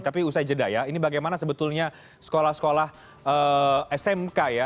tapi usai jeda ya ini bagaimana sebetulnya sekolah sekolah smk ya